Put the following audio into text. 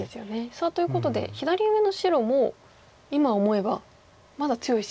さあということで左上の白も今思えばまだ強い石では。